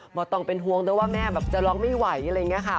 ต้องเป็นห่วงแต่ว่าแม่แบบจะร้องไม่ไหวอะไรอย่างนี้ค่ะ